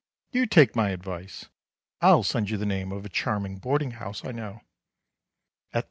You take my advice. I'll send you the name of a charming boarding house I know," etc.